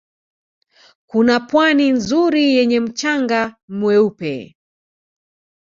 Kuna Pwani nzuri yenye mchanga mweupe